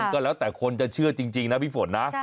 ก็แล้วแต่คนจะเชื่อจริงนะพี่ฝนนะ